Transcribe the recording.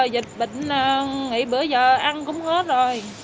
dịch bệnh nghỉ bữa giờ ăn cũng hết rồi